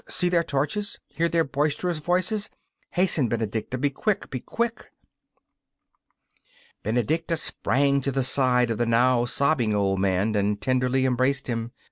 See their torches; hear their boisterous voices! Hasten, Benedicta be quick, be quick!' Benedicta sprang to the side of the now sobbing old man and tenderly embraced him.